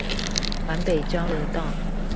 環北交流道